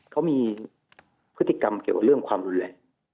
เขามีพฤติกรรมเกี่ยวกับเรื่องความรุนแรง